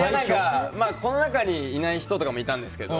この中にいない人とかもいたんですけど。